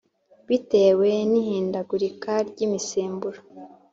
bitewe n ihindagurika ry imisemburo